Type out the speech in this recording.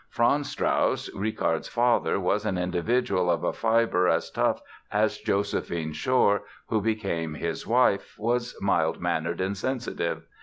Franz Strauss, Richard's father, was an individual of a fibre as tough as Josephine Pschorr, who became his wife, was mild mannered and sensitive.